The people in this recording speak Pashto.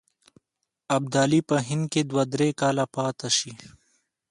ابدالي په هند کې دوه درې کاله پاته شي.